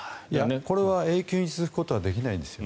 これは永久に続くことはできないんですよ。